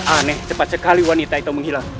aneh cepat sekali wanita itu menghilang